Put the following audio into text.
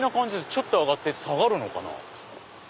ちょっと上がって下がるのかな。